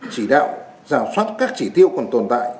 chỉ đạo giả soát các chỉ tiêu còn tồn tại